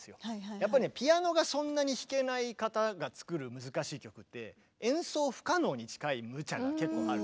やっぱりねピアノがそんなに弾けない方が作る難しい曲って演奏不可能に近いむちゃが結構ある。